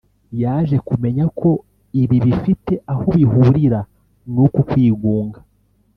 yaje kumenya ko ibi bifite aho bihurira n’uko kwigunga